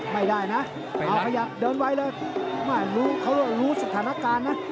ไม่ได้นะเดินไว้เลยเขารู้สถานการณ์นะ